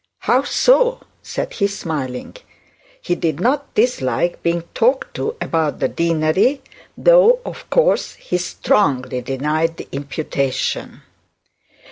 'How so,' said he smiling. He did not dislike being talked to about the deanery, though, of course, he strongly denied the imputation.